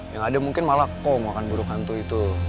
ya tidak mungkin malah kau makan burung hantu itu